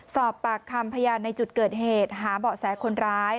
สอบปากคำพยานในจุดเกิดเหตุหาเบาะแสคนร้าย